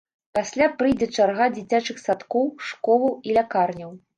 Пасля прыйдзе чарга дзіцячых садкоў, школаў і лякарняў.